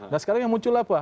nah sekarang yang muncul apa